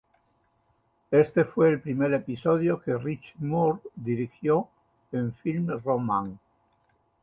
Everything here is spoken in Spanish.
Este fue el primer episodio que Rich Moore dirigió en Film Roman.